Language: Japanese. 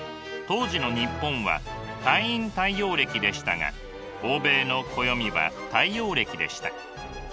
当時の日本は太陰太陽暦でしたが欧米の暦は太陽暦でした。